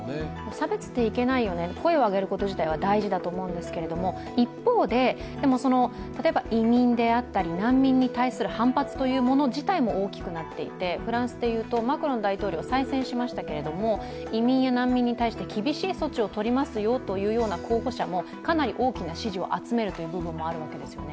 差別っていけないよねという声を上げることは大事だと思うんですけれど一方で、例えば移民であったり、難民に対する反発も大きくなっていて、フランスでいうと、マクロン大統領が再選されましたけど、移民や難民に対して厳しい措置を取りますよという候補者もかなり大きな支持を集める部分もあるわけですよね。